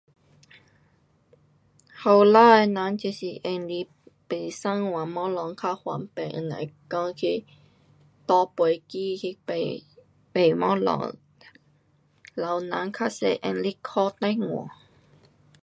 年轻的人就是用来买上网东西较方便，若讲去搭飞机去买，买东西，老人较多是用来打电话。